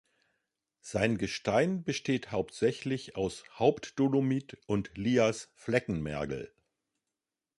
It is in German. Sein Gestein besteht hauptsächlich aus Hauptdolomit und Lias-Fleckenmergel.